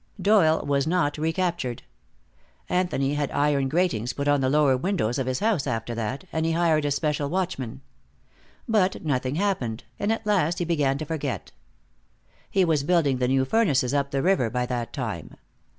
Doyle was not recaptured. Anthony had iron gratings put on the lower windows of his house after that, and he hired a special watchman. But nothing happened, and at last he began to forget. He was building the new furnaces up the river by that time.